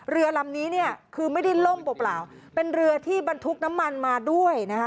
เรือลำนี้เนี่ยคือไม่ได้ล่มเปล่าเป็นเรือที่บรรทุกน้ำมันมาด้วยนะคะ